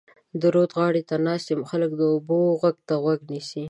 د رود غاړې ته ناست خلک د اوبو غږ ته غوږ نیسي.